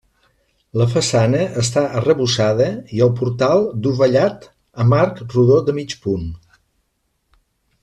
La façana està arrebossada i el portal dovellat amb arc rodó de mig punt.